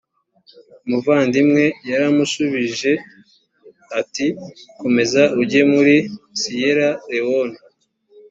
umuvandimwe yaramushubije ati komeza ujye muri siyera lewone